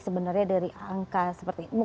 sebenarnya dari angka seperti